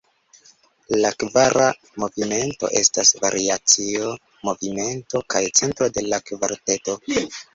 La kvara movimento estas variacio-movimento kaj centro de la kvarteto.